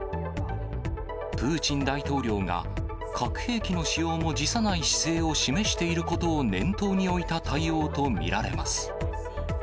プーチン大統領が、核兵器の使用も辞さない姿勢を示していることを念頭に置いた対応と見られます。